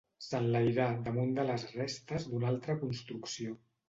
S'enlairà damunt de les restes d'una altra construcció.